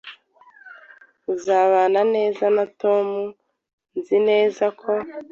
Uzabana neza na Tom, nzi neza ko